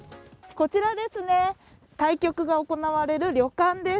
こちらですね、対局が行われる旅館です。